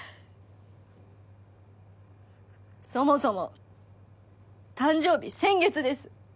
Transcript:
そもそも誕生日先月です